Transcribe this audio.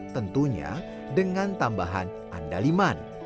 tentunya dengan tambahan andaliman